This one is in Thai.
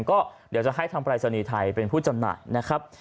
ก็เดี๋ยวจะให้ทางปรายศนีย์ไทยเป็นผู้จำหน่ายนะครับ